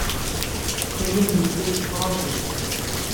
Ttkil-m meslay s tefṛansist.